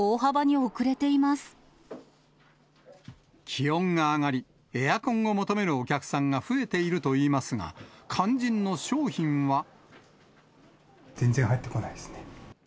気温が上がり、エアコンを求めるお客さんが増えているといいますが、全然入ってこないですね。